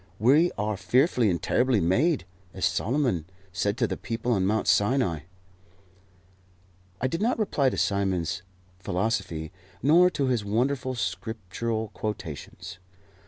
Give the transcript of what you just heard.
We are fearfully and terribly made, as Solomon said to the people on Mount Sinai." I did not reply to Simon's philosophy, nor to his wonderful scriptural quotations.